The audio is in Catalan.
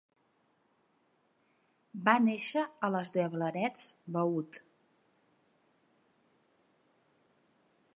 Va néixer a Les Diablerets, Vaud.